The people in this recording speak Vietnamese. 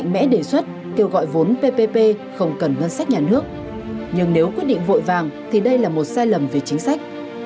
mạnh mẽ đề xuất kêu gọi vốn ppp không cần ngân sách nhà nước nhưng nếu quyết định vội vàng thì đây là một sai lầm về chính sách